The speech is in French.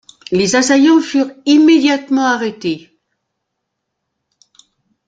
Les assaillants furent immédiatement arrêtés.